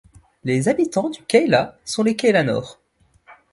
Les habitants du Cayla sont les Caylanors.